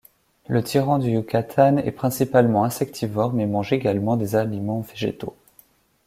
Le tyran du Yucatan est principalement insectivore mais mange également des aliments végétaux.